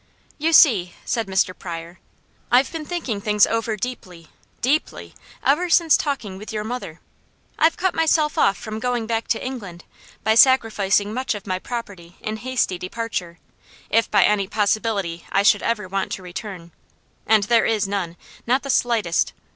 "You see," said Mr. Pryor, "I've been thinking things over deeply, deeply! ever since talking with your mother. I've cut myself off from going back to England, by sacrificing much of my property in hasty departure, if by any possibility I should ever want to return, and there is none, not the slightest!